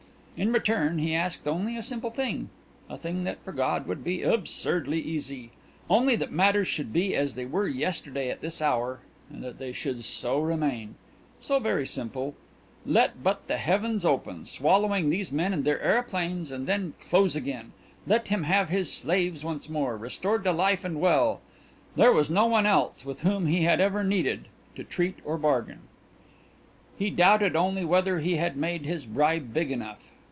In return he asked only a simple thing, a thing that for God would be absurdly easy only that matters should be as they were yesterday at this hour and that they should so remain. So very simple! Let but the heavens open, swallowing these men and their aeroplanes and then close again. Let him have his slaves once more, restored to life and well. There was no one else with whom he had ever needed to treat or bargain. He doubted only whether he had made his bribe big enough.